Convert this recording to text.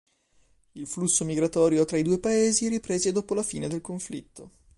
Il flusso migratorio tra i due paesi riprese dopo la fine del conflitto.